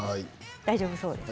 大丈夫そうですか？